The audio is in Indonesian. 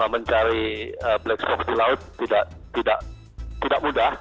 mencari black shop di laut tidak mudah